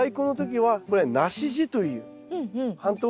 はい。